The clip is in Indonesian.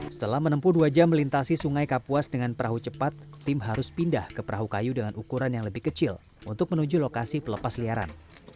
setelah menempuh dua jam melintasi sungai kapuas dengan perahu cepat tim harus pindah ke perahu kayu dengan ukuran yang lebih kecil untuk menuju lokasi pelepas liaran